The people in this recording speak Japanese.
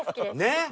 ねっ。